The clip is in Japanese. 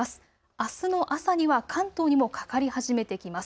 あすの朝には関東にもかかり始めてきます。